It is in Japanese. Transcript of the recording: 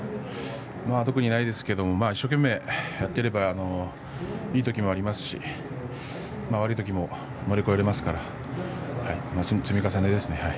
特にないんですけれど一生懸命やっていればいいときもありますし悪いときも乗り越えられますから積み重ねですね。